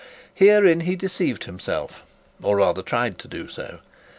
Herein he deceived himself, or rather tried to do so.